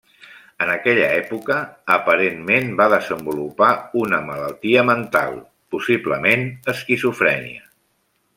En aquella època, aparentment va desenvolupar una malaltia mental, possiblement esquizofrènia.